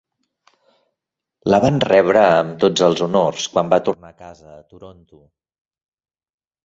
La van rebre amb tots els honors quan va tornar a casa a Toronto!